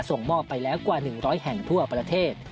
ส่งมอบไปแล้วกว่า๑๐๐แห่งทั่วประเทศ